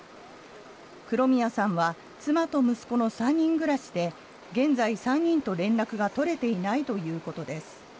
黒宮さんは妻と息子の３人暮らしで現在３人と連絡が取れていないということです。